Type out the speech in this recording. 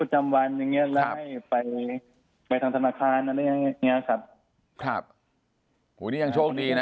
หูยังโชคดีนะ